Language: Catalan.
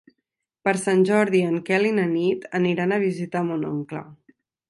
Per Sant Jordi en Quel i na Nit aniran a visitar mon oncle.